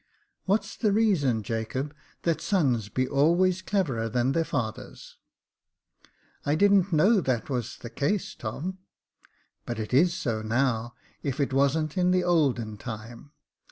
What's the reason, Jacob, that sons be always cleverer than their fathers ?"•* I didn't know that was the case, Tom." But it is so now, if it wasn't in olden time.